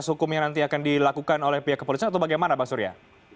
proses hukum yang nanti akan dilakukan oleh pihak kepolisian atau bagaimana bang surya